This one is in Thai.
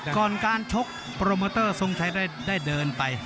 ก่อนการชกโปรโมเตอร์ทรงชัยได้เดินไป